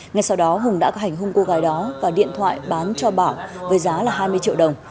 ngay sau đó hùng đã hành hung cô gái đó và điện thoại bán cho bảo với giá là hai mươi triệu đồng